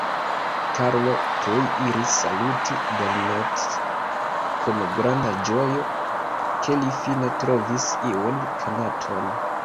Karlo tuj iris saluti Belnett kun granda ĝojo, ke li fine trovis iun konaton.